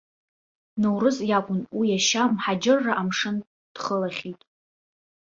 Ноурыз иакәын, уи иашьа, мҳаџьырра амшын дхылахьеит!